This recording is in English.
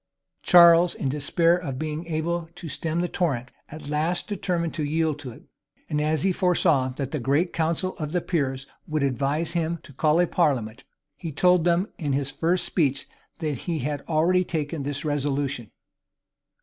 Charles, in despair of being able to stem the torrent, at last determined to yield to it: and as he foresaw that the great council of the peers would advise him to call a parliament, he told them, in his first speech, that he had already taken this resolution.